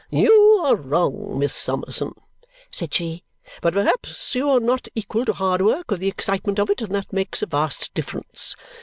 "You are wrong, Miss Summerson," said she, "but perhaps you are not equal to hard work or the excitement of it, and that makes a vast difference.